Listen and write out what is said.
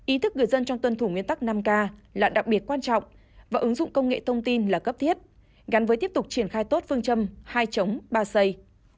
ý thức người dân trong tuân thủ nguyên tắc năm k là đặc biệt quan trọng và ứng dụng công nghệ thông tin là cấp thiết gắn với tiếp tục triển khai tốt phương châm hai chống ba xây